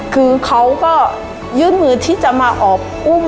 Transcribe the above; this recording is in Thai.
คือเขาก็ยื่นมือที่จะมาออกอุ้ม